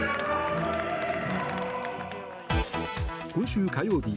今週火曜日